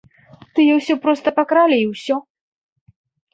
Тыя ўсё проста пакралі і ўсё!